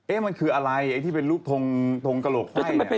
เอ๊ะมันคืออะไรที่เป็นแผนทงกระโหลกไฟ